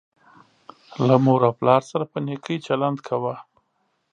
له مور او پلار سره په نیکۍ چلند کوه